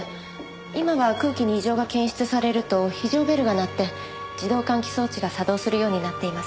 今は空気に異常が検出されると非常ベルが鳴って自動換気装置が作動するようになっています。